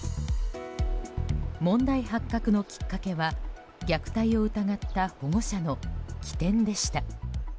問題発覚のきっかけは虐待を疑った保護者の機転でした。